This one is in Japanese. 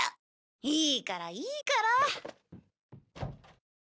いいからいいから。